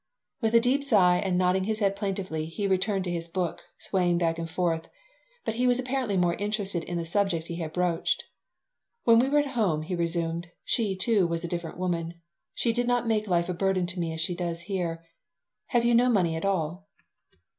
With a deep sigh and nodding his head plaintively he returned to his book, swaying back and forth. But he was apparently more interested in the subject he had broached. "When we were at home," he resumed, "she, too, was a different woman. She did not make life a burden to me as she does here. Have you no money at all?"